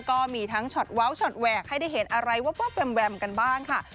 ก็มีทั้งช็อตเว้าช็อตแหวกให้ได้เห็นอะไรวับแวมกันบ้างค่ะ